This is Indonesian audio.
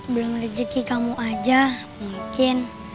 belum rezeki kamu aja mungkin